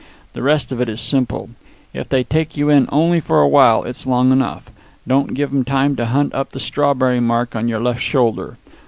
The rest of it is simple. If they take you in only for a while it's long enough. Don't give 'em time to hunt up the strawberry mark on your left shoulder.